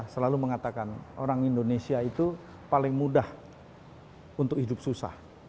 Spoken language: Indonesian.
selalu mengatakan orang indonesia itu paling mudah untuk hidup susah